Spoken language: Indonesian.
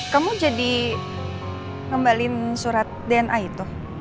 kamu jadi ngembalin surat dna itu